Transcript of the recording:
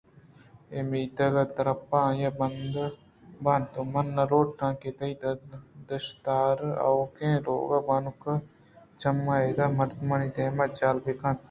اے میتگ ءِ درپہ آئیءَ بند بنت ءُمن نہ لوٹاں کہ تئی دشتار ءُآؤکیں ءِ لوگ بانُک ءِ چم ادءِ مردمانی دیم ءَجہل بہ بنت